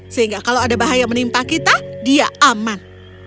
sehingga kalau ada bahaya menimpa kita dia aman